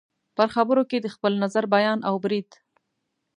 په خبرو کې د خپل نظر بیان او برید